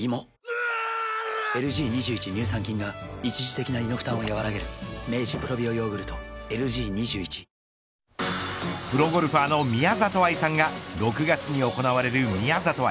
乳酸菌が一時的な胃の負担をやわらげるプロゴルファーの宮里藍さんが６月に行われる宮里藍